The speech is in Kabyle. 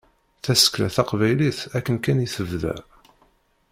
Tasekla taqbaylit akken kan i tebda.